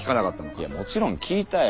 いやもちろん聞いたよ。